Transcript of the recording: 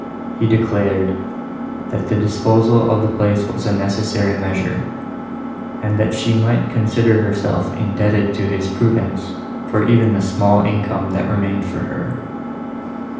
He declared, that the disposal of the place was a necessary measure; and that she might consider herself indebted to his prudence for even the small income that remained for her.